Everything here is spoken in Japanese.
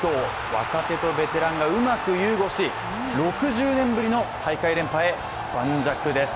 若手とベテランがうまく融合し６０年ぶりの大会連覇へ盤石です！